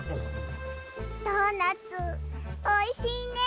ドーナツおいしいね。